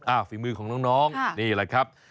ฝีมือของน้องนี่แหละครับ